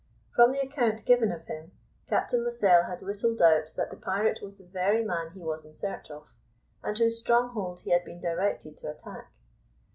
From the account given of him, Captain Lascelles had little doubt that the pirate was the very man he was in search of, and whose stronghold he had been directed to attack.